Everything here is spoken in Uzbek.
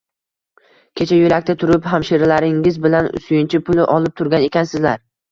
Kecha yo`lakda turib hamshiralaringiz bilan suyunchi puli olib turgan ekansizlar